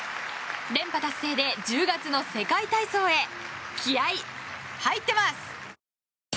連覇達成で１０月の世界体操へ気合入っています！